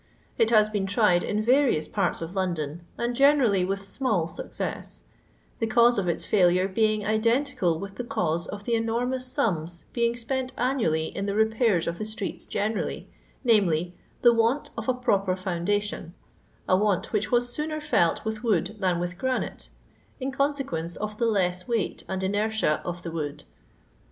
It has been tned in yarioos parts of London, and generally with small sncoess, the cause of its fulnre bein^ identical with the cause of the enormous sums being spent annually in the repairs of Uie streeU genersUy, namely, the want of a proper foundation; a want which was sooner felt with wood than with granite, in consequence of the less weight and inertia of the wood.